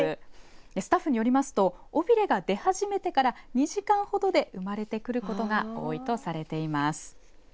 スタッフによりますと尾びれが出始めてから２時間ほどで生まれてくることが多いとされています。